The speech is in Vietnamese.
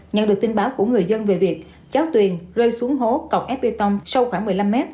nhận được tin báo của người dân về việc cháu tuyền rơi xuống hố cọc ép bê tông sâu khoảng một mươi năm m